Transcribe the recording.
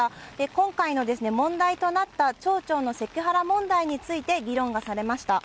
今回の問題となった町長のセクハラ問題について、議論がされました。